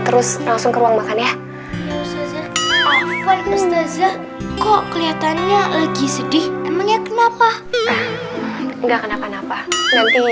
terus langsung ke ruang makan ya kok kelihatannya sedih emangnya kenapa nggak kenapa kenapa nanti